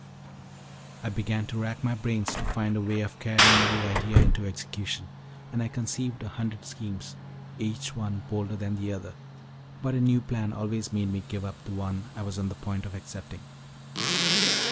I began to rack my brains to find a way of carrying the idea into execution, and I conceived a hundred schemes, each one bolder than the other, but a new plan always made me give up the one I was on the point of accepting.